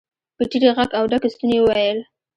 په ټيټ غږ او ډک ستوني يې وويل.